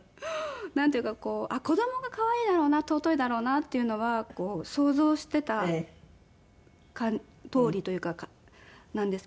なんていうかこう子供が可愛いだろうな尊いだろうなっていうのは想像していたとおりというかなんですけれども。